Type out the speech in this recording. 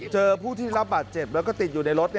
ผู้ที่รับบาดเจ็บแล้วก็ติดอยู่ในรถ